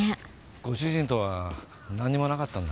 ご主人とはなんにもなかったんだ。